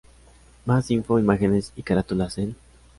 Más info, imágenes y carátulas en